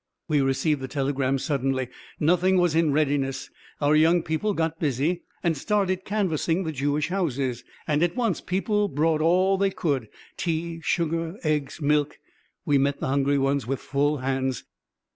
We received the telegram suddenly. Nothing was in readiness. Our young people got busy and started canvassing the Jewish houses. And at once people brought all they could: tea, sugar, eggs, milk. We met the hungry ones with full hands.